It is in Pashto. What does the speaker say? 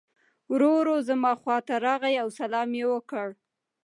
ورو ورو زما خواته راغی او سلام یې وکړ.